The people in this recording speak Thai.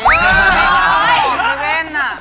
ไม่เคยมาเซเว่นอะ